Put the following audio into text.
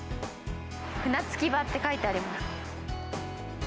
船着き場と書いてあります。